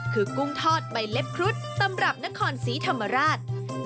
คือกุ้งทอดใบเล็บครุฑตำรับนครศรีธรรมราช